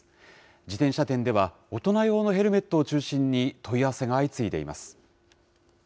自転車店では、大人用のヘルメットを中心に、問い合わせが相次いでいます。